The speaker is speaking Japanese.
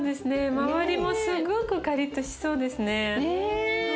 まわりもすごくカリッとしそうですね。